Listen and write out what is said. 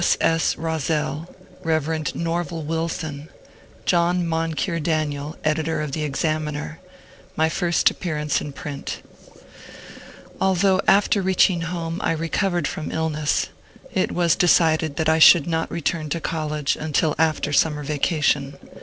8. 8. Ronel — ReT. Nonral ^^^1800 — John Mononre Daniel, editor of the *' Examiner *'— My first i^pearanoe in print Although after reaching home I recovered from ilhiess, it was decided that I should not return to college until after summer vacation.